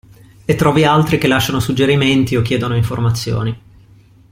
E trovi altri che lasciano suggerimenti o chiedono informazioni.